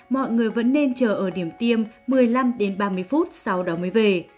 mọi người vẫn nên chờ ở điểm tiêm một mươi năm đến ba mươi phút sau đó mới về